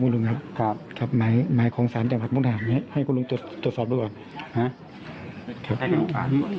มายจัดของสารจังหวัดมุกดาหารให้บุคลุงตรวจบด้วยก่อน